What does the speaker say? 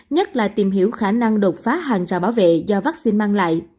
nhất là tìm hiểu khả năng đột phá hàng trào bảo vệ do vaccine mang lại